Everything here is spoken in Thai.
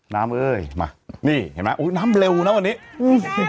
น้ำเอ้ยมานี่เห็นมั้ยอุ๊ยน้ำเร็วนะวันนี้